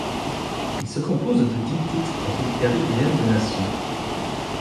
Il se compose de dix titres en Coupe caribéenne des nations.